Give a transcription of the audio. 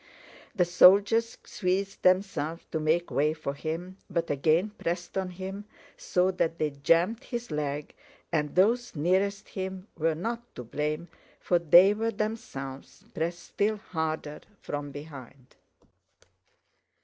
The soldiers squeezed themselves to make way for him, but again pressed on him so that they jammed his leg, and those nearest him were not to blame for they were themselves pressed still harder from behind.